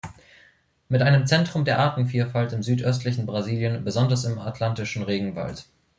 Mit einem Zentrum der Artenvielfalt im südöstlichen Brasilien, besonders im Atlantischen Regenwald.